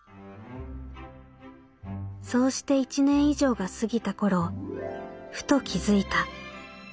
「そうして一年以上が過ぎた頃ふと気づいた。